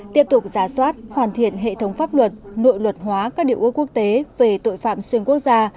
tiếp tục giả soát hoàn thiện hệ thống pháp luật nội luật hóa các điều ước quốc tế về tội phạm xuyên quốc gia